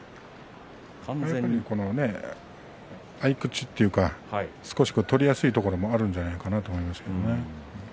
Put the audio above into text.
合い口というか少し取りやすいところもあるんじゃないかなと思いますね。